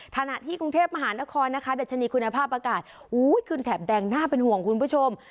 ขณะที่กรุงเทพมหานครนะคะดัชนีคุณภาพอากาศขึ้นแถบแดงน่าเป็นห่วงคุณผู้ชม